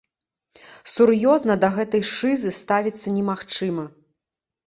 Сур'ёзна да гэтай шызы ставіцца немагчыма.